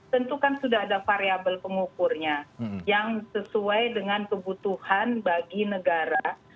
tentu kan sudah ada variable pengukurnya yang sesuai dengan kebutuhan bagi negara